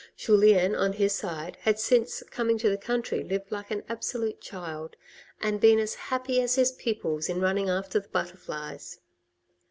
Julien, on his side, had since coming to the country lived like an absolute child, and been as happy as his pupils in running after the butterflies.